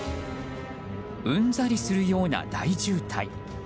うんざりするような大渋滞。